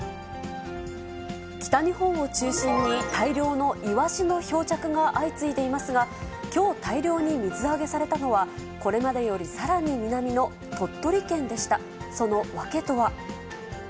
北日本を中心に、大量のイワシの漂着が相次いでいますが、きょう大量に水揚げされたのは、これまでよりさらに南の鳥取県でした。